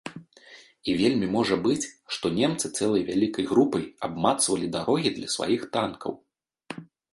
І вельмі можа быць, што немцы цэлай вялікай групай абмацвалі дарогі для сваіх танкаў.